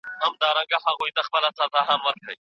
که پروګرام سم ونه څارل سي پايله به يې ورانه وي.